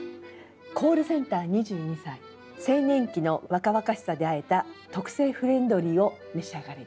「コールセンター２２歳青年期の若々しさで和えた特製フレンドリーを召し上がれ」。